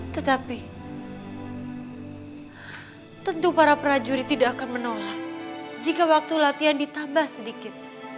tetapi tentu para prajurit tidak akan menolak jika waktu latihan ditambah sedikit